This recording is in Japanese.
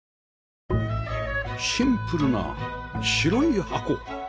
シンプルな白い箱